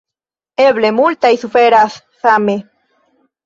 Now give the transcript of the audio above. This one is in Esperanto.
Eble multaj suferas same.